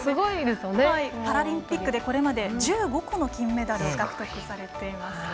パラリンピックでこれまで１５個の金メダルを取られています。